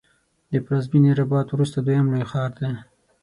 د پلازمېنې رباط وروسته دویم لوی ښار دی.